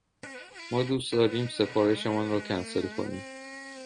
ما دوست داریم سفارش مان را کنسل کنیم.